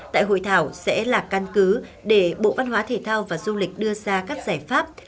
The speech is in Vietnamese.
tại hội thảo sẽ là căn cứ để bộ văn hóa thể thao và du lịch đưa ra các giải pháp